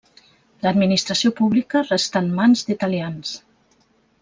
L'administració pública restà en mans d'italians.